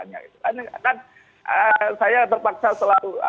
kan saya terpaksa selalu